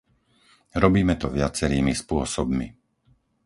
Robíme to viacerými spôsobmi.